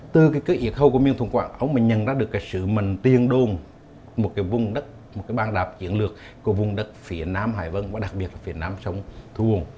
từ yếc hâu của miền thùng quảng chúa nguyễn hoàng mới nhận ra được sự mình tiên đồn một vùng đất một bàn đạp chiến lược của vùng đất phía nam hải vân và đặc biệt là phía nam sông thu bồn